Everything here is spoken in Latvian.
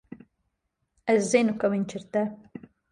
Es zinu, ka viņš ir te.